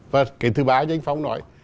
và cái thứ ba như anh phong nói